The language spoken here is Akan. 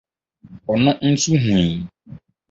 ɔno nso hui